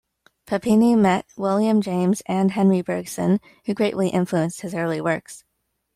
Papini met William James and Henri Bergson, who greatly influenced his early works.